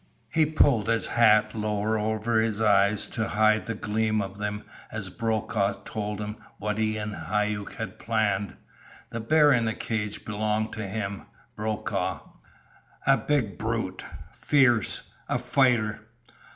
He pulled his hat lower over his eyes to hide the gleam of them as Brokaw told him what he and Hauck had planned. The bear in the cage belonged to him Brokaw. A big brute. Fierce. A fighter.